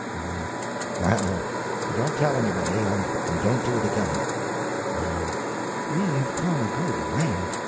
O.M. Well, don't tell anybody, and don't do it again. Y.M. We have come a good way.